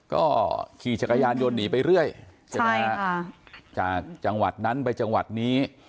ก็ขี่จักรยานยนต์หนีไปเรื่อยใช่ไหมฮะจากจังหวัดนั้นไปจังหวัดนี้